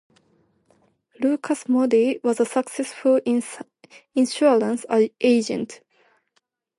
Lucius Moody was a successful insurance agent.